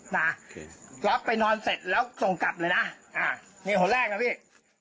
นะรับไปนอนเสร็จแล้วส่งกลับเลยนะอ่านี่คนแรกนะพี่